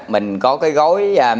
mình có cái gối